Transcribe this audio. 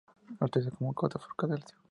Utiliza como cofactor calcio.